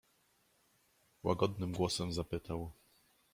"Łagodnym głosem zapytał."